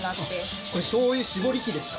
これしょう油搾り器ですか？